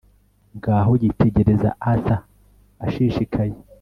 Ngaho yitegereza Arthur ashishikaye